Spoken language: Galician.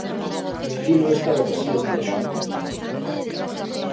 Pero alí non estaba o presidente da Xunta.